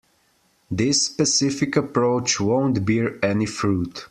This specific approach won't bear any fruit.